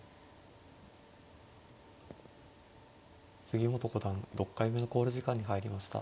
杉本五段６回目の考慮時間に入りました。